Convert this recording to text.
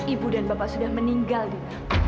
ibu dan bapak sudah meninggal nih